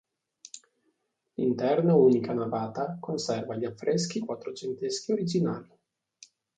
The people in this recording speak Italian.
L'interno a unica navata conserva gli affreschi quattrocenteschi originali.